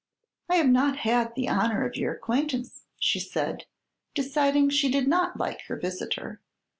"I have not had the honor of your acquaintance," said she, deciding she did not like her visitor.